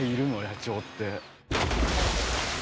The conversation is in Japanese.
野鳥って。